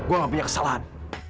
gue nggak punya kesalahan